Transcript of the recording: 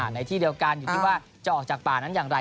ในที่เดียวกันอยู่ที่ว่าจะออกจากป่านั้นอย่างไร